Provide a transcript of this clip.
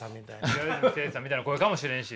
平泉成さんみたいな声かもしれんし。